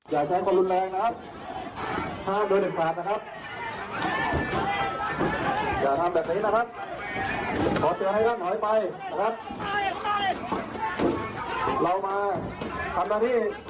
อยู่นะครับ